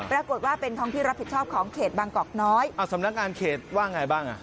ปรากฏว่าเป็นท้องที่รับผิดชอบของเขตบางกอกน้อยเอาสำนักงานเขตว่าไงบ้างอ่ะ